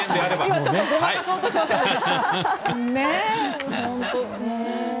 今ちょっとごまかそうとしませんでした？